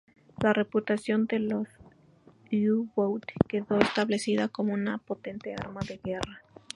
La reputación de los U-boat quedó establecida como una potente arma de guerra.